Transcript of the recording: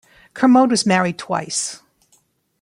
Kermode was married twice.